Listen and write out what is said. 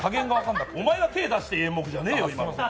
お前が手を出していい演目じゃねえよ。